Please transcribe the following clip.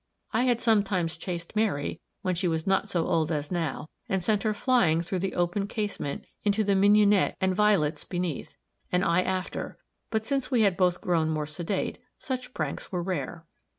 I had sometimes chased Mary, when she was not so old as now, and sent her flying through the open casement into the mignonette and violets beneath, and I after; but since we had both grown more sedate, such pranks were rare.